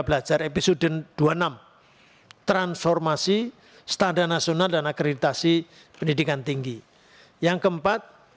belajar episode dua puluh enam transformasi standar nasional dan akreditasi pendidikan tinggi yang keempat